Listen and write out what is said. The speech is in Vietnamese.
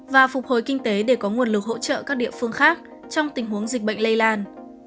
và phục hồi kinh tế để có nguồn lực hỗ trợ các địa phương khác trong tình huống dịch bệnh lây lan